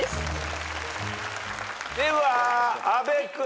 では阿部君。